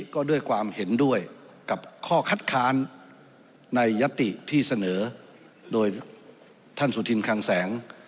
ก็ด้วยความเห็นด้วยกับข้อคัดค้านในยัตติที่เสนอโดยท่านสุธินคลังแสง